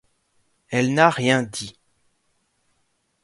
Elle n’a rien dit.